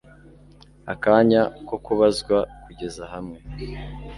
akanya ko kubazwa, kugeza hamwe